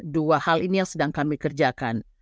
dua hal ini yang sedang kami kerjakan